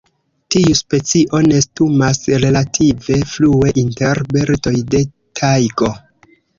Tiu specio nestumas relative frue inter birdoj de Tajgo.